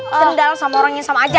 kendal sama orangnya sama aja